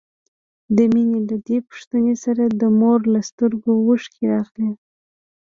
د مينې له دې پوښتنې سره د مور له سترګو اوښکې راغلې.